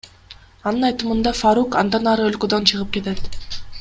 Анын айтымында, Фарук андан ары өлкөдөн чыгып кетет.